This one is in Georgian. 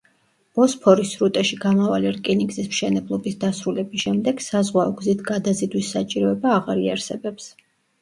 ბოსფორის სრუტეში გამავალი რკინიგზის მშენებლობის დასრულების შემდეგ საზღვაო გზით გადაზიდვის საჭიროება აღარ იარსებებს.